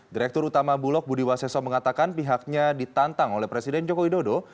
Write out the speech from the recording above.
direktur utama bulog budi waseso mengatakan pihaknya ditantang oleh presiden joko widodo